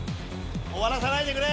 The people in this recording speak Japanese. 終わらさないでくれ！